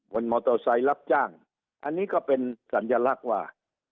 มอเตอร์ไซค์รับจ้างอันนี้ก็เป็นสัญลักษณ์ว่า